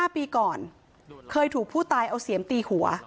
๕ปีก่อนเคยถูกผู้ตายเอาเสียมตีหัว